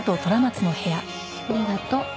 ありがとう。